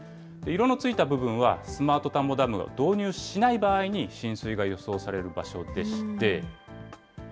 色のついた部分は、スマート田んぼダムを導入しない場合に浸水が予想される場所でして。